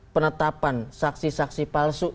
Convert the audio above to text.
penetapan saksi saksi palsu